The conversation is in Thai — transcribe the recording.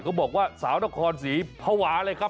บอกว่าสาวนครศรีภาวะเลยครับ